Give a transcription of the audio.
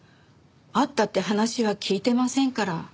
会ったって話は聞いてませんから。